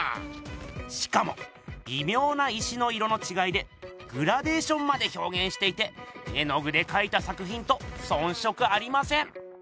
しかもびみょうな石の色のちがいでグラデーションまでひょうげんしていて絵の具でかいた作ひんとそんしょくありません。